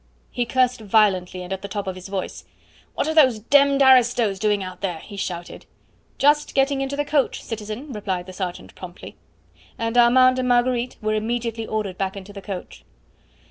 He cursed violently and at the top of his voice. "What are those d d aristos doing out there?" he shouted. "Just getting into the coach, citizen," replied the sergeant promptly. And Armand and Marguerite were immediately ordered back into the coach.